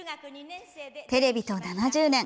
テレビと７０年。